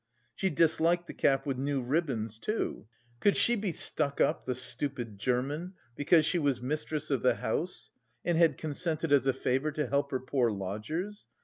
She disliked the cap with new ribbons, too. "Could she be stuck up, the stupid German, because she was mistress of the house, and had consented as a favour to help her poor lodgers!